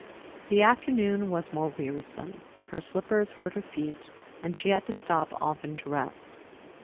The afternoon was more wearisome. Her slippers hurt her feet, and she had to stop often to rest.